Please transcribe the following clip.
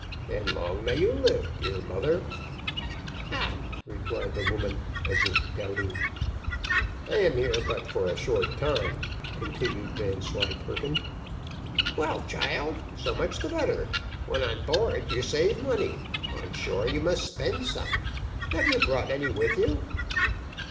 "And long may you live, dear mother." "Ah," replied the woman, as if doubting. "I am here but for a short time," continued Vanslyperken. "Well, child, so much the better; when on board you save money, on shore you must spend some. Have you brought any with you?"